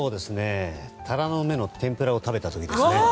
タラの芽の天ぷらを食べた時ですね。